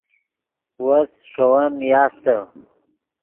وس ݰے ون نیاستے